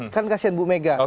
kan kasian bu mega